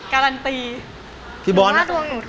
การันตีพี่บอล